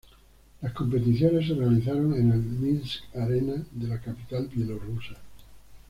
Las competiciones se realizaron en el Minsk Arena de la capital bielorrusa.